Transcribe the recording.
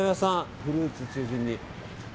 フルーツ中心に。